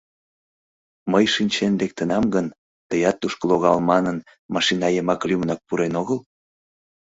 — Мый шинчен лектынам гын, тыят тушко логал манын, машина йымак лӱмынак пурен огыл?